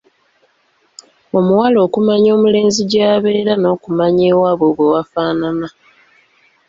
Omuwala okumanya omulenzi gy’abeera n’okumanya ewaabwe bwe w'afaanana.